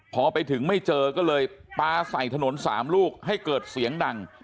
พอไปถึงไม่เจอก็เลยปลาใส่ถนน๓ลูกให้เกิดเสียงดัง